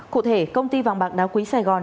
cụ thể công ty vàng bạc đá quý sài gòn